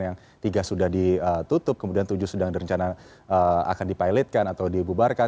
yang tiga sudah ditutup kemudian tujuh sudah direncana akan dipilotkan atau dibubarkan